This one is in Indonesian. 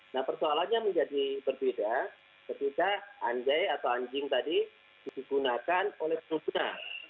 nah persoalannya menjadi berbeda ketika anjai atau anjing tadi digunakan oleh perutnya